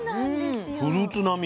フルーツ並み。